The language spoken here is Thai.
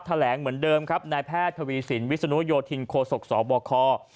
แถลงเหมือนเดิมครับนายแพทย์ทวีสินวิศนุโยธินโคศกสบค